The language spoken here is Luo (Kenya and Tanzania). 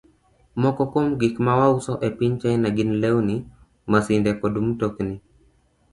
Moko kuom gik ma wauso e piny China gin lewni, masinde, kod mtokni.